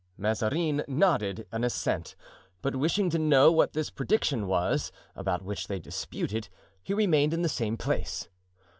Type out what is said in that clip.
Mazarin nodded an assent, but wishing to know what this prediction was, about which they disputed, he remained in the same place.